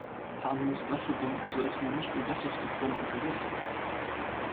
Harmlose Wasserbomben sollte man nicht mit Wasserstoffbomben verwechseln.